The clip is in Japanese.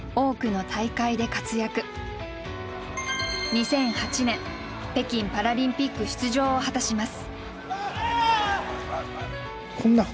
２００８年北京パラリンピック出場を果たします。